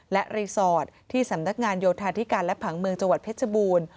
และรีสอร์ทที่สำนักงานโยธาธิการและผังเมืองจังหวัดเพชรบูรณ์